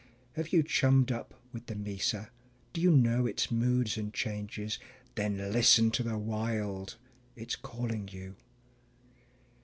Have you chummed up with the mesa? Do you know its moods and changes? Then listen to the Wild it's calling you.